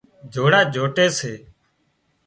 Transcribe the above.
جوڙا جوٽي سي